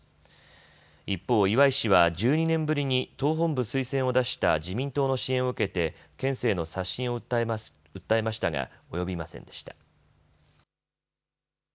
一方、岩井氏は１２年ぶりに党本部推薦を出した自民党の支援を受けて県政の刷新を訴えましたが及びませんでした。